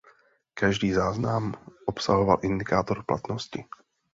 Každý záznam obsahoval indikátor platnosti.